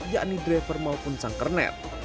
yakni driver maupun sangkernet